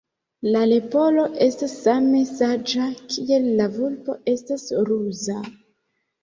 La leporo estas same saĝa kiel la vulpo estas ruza.